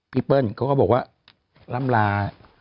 เปิ้ลเขาก็บอกว่าล่ำลา